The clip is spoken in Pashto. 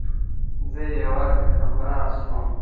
زه يې يوازې همراز شوم.